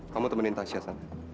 kamu temenin tasya sana